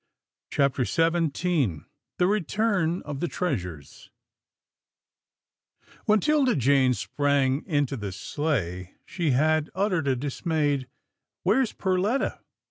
CHAPTER XVII THE RETURN OF THE TREASURES iWHEN 'Tilda Jane sprang into the sleigh, she had uttered a dismayed "Where's Perletta?"